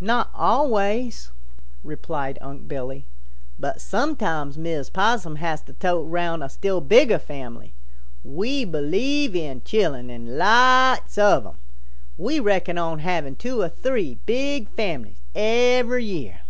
"Not always," replied Unc' Billy. "But sometimes Mrs. Possum has to tote around a still bigger family. We believe in chillun and lots of them. We reckon on havin' two or three big families every year."